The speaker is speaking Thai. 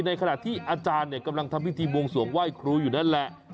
ในขณะที่อาจารย์กำลังทำพิธีบวงสวงไหว้ครูอยู่นั่นแหละ